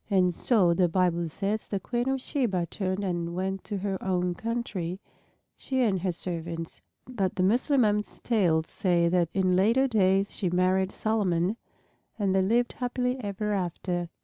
And so, the Bible says, the Queen of Sheba turned and went to her own country, she and her servants. But the Mussulmans' tales say that in later days she married Solomon and they lived happily ever after.